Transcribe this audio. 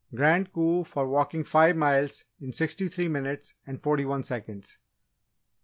Grand Coup for Walking Five Miles in Sixty three Minutes and Forty one Seconds 21.